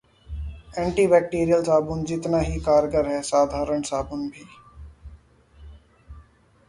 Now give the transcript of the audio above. anti bacterial साबुन जितना ही कारगर है साधारण साबुन भी